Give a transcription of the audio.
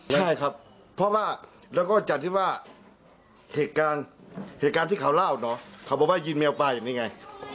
ใช่ครับเพราะว่าแล้วก็จัดนิดว่าเหตุการณ์ที่เขาเล่าเนอะเขาบอกว่ายิงเมลต์ไปอย่างนี้ไง